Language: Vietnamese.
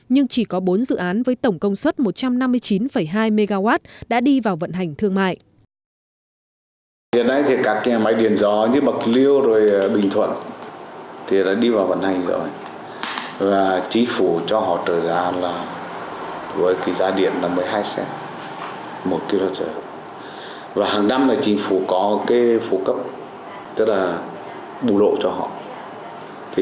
nhưng chỉ có bốn dự án với tổng công suất một trăm năm mươi chín hai mw đã đi vào vận hành thương mại